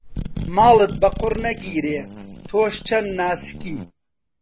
ماڵت بە قوڕ نەگیرێ تۆش چەند ناسکی.